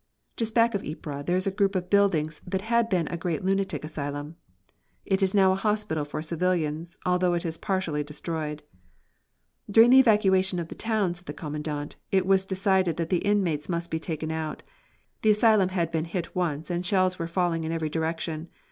Just back of Ypres there is a group of buildings that had been a great lunatic asylum. It is now a hospital for civilians, although it is partially destroyed. "During the evacuation of the town," said the Commandant, "it was decided that the inmates must be taken out. The asylum had been hit once and shells were falling in every direction.